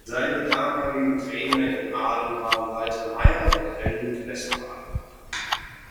Seine damaligen Trainer in Aalen waren Walter Maier und Helmut Westphal.